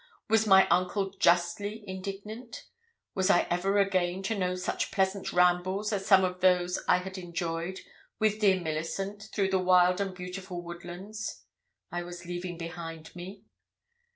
Was my uncle justly indignant? Was I ever again to know such pleasant rambles as some of those I had enjoyed with dear Millicent through the wild and beautiful woodlands I was leaving behind me?